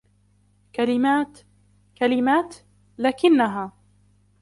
كلمات... كلمات.... لكنها.